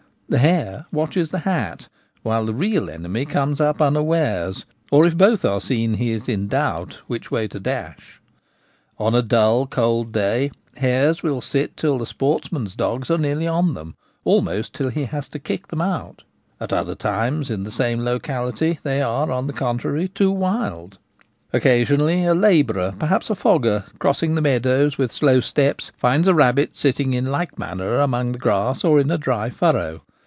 The hare watches the hat, while the real enemy comes up unawares, or, if both are seen, he is in doubt which way to dash. On a dull, cold day hares will sit till the sportsman's dogs are nearly on them, almost till he has to kick them out At other times in the same locality they are, on the contrary, too wild. Occasionally a labourer, perhaps a 'fogger,' crossing the meadows with slow steps, finds a rabbit sitting in like manner among the grass or in a dry furrow.